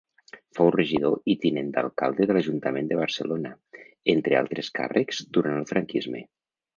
Fou regidor i tinent d'alcalde de l'Ajuntament de Barcelona, entre altres càrrecs durant el franquisme.